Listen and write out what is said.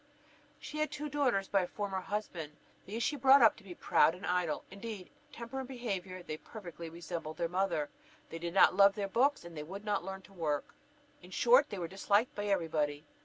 She had two daughters by a former husband. These she brought up to be proud and idle. Indeed, in temper and behaviour they perfectly resembled their mother; they did not love their books, and would not learn to work; in short they were disliked by every body.